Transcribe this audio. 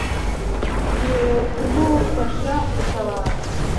Ngiye kugufasha gutabara .